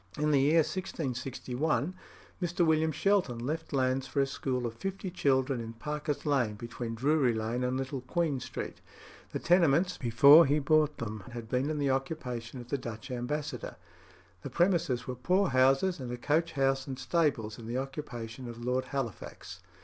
In the year 1661 Mr. William Shelton left lands for a school for fifty children in Parker's Lane, between Drury Lane and Little Queen Street. The tenements, before he bought them, had been in the occupation of the Dutch ambassador. The premises were poor houses, and a coach house and stables in the occupation of Lord Halifax.